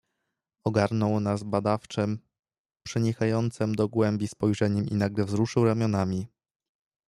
"Ogarnął nas badawczem, przenikającem do głębi spojrzeniem i nagle wzruszył ramionami."